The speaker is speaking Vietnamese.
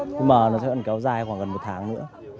nhưng mà nó sẽ vẫn kéo dài khoảng gần một tháng nữa